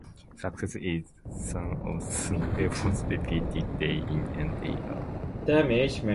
Success is the sum of small efforts, repeated day in and day out.